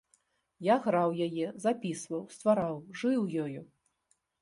Я граў яе, запісваў, ствараў, жыў ёю.